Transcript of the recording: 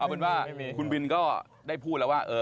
เอาเป็นว่าคุณบินก็ได้พูดแล้วว่า